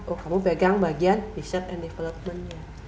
oh kamu pegang bagian research and developmentnya